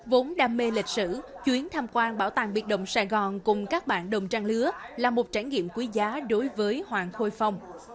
vốn đam mê lịch sử chuyến tham quan bảo tàng biệt động sài gòn cùng các bạn đồng trang lứa là một trải nghiệm quý giá đối với hoàng khôi phong